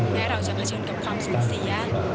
แม้เราจะเผชิญกับความสูญเสีย